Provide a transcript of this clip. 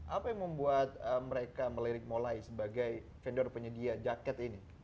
apa yang membuat mereka melirik mulai sebagai vendor penyedia jaket ini